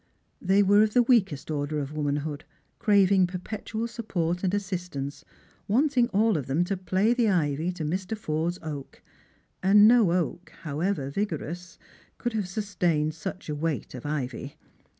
They were of the weakest order of womanhood, craving per petual support and assistance, wanting all of them to play the ivy to Mr. Forde's oak ; and no oak, however vigorous, could have sustained such a weight of ivy.